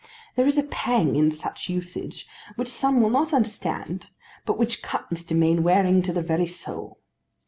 There is a pang in such usage which some will not understand, but which cut Mr. Mainwaring to the very soul.